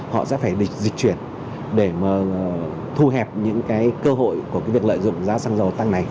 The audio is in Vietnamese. họ sẽ phải địch dịch chuyển để mà thu hẹp những cái cơ hội của cái việc lợi dụng giá xăng dầu tăng này